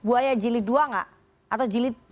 buaya jili dua nggak atau jili